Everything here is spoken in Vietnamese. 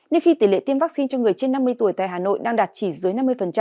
nên khi tỷ lệ tiêm vaccine cho người trên năm mươi tuổi tại hà nội đang đạt chỉ dưới năm mươi